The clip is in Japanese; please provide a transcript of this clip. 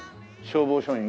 消防署員？